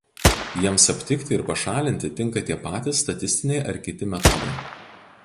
Jiems aptikti ir pašalinti tinka tie patys statistiniai ar kiti metodai.